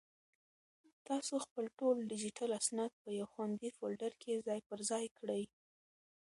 تاسو خپل ټول ډیجیټل اسناد په یو خوندي فولډر کې ځای پر ځای کړئ.